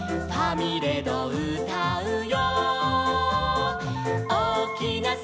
「ファミレドうたうよ」